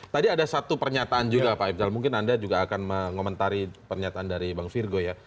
tadi ada satu pernyataan juga pak ifdal mungkin anda juga akan mengomentari pernyataan dari bang virgo ya